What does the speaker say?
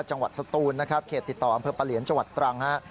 สตูนนะครับเขตติดต่ออำเภอปะเหลียนจังหวัดตรังฮะ